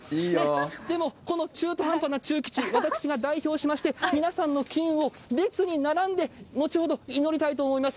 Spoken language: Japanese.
でも、この中途半端な中吉、私が代表しまして、皆さんの金運を、列に並んで、後ほど祈りたいと思います。